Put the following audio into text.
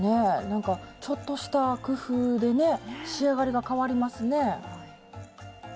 なんかちょっとした工夫でね仕上がりがかわりますね。